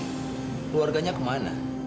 keluarganya ke mana